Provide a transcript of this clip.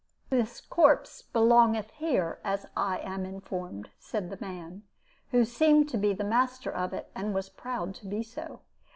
"'This corpse belongeth here, as I am informed,' said the man, who seemed to be the master of it, and was proud to be so.